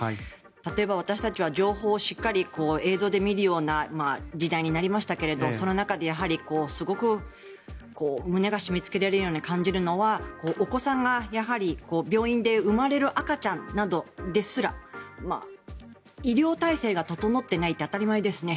例えば私たちは情報をしっかり映像で見るような時代になりましたがその中でやはりすごく胸が締めつけられるように感じるのはお子さんがやはり、病院で生まれる赤ちゃんなどですら医療体制が整っていないって当たり前ですね。